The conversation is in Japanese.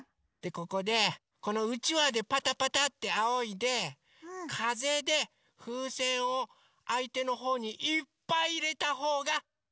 ここでこのうちわでパタパタってあおいでかぜでふうせんをあいてのほうにいっぱいいれたほうがかちです！